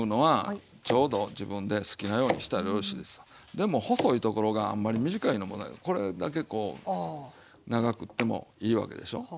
でも細いところがあんまり短いのもこれだけこう長くってもいいわけでしょ。